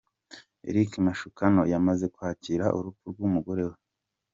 Eric Mashukano yamaze kwakira urupfu rw'umugore we.